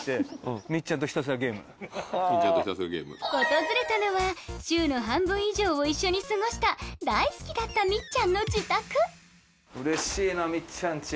訪れたのは週の半分以上を一緒に過ごした大好きだったうれしいなぁみっちゃん家。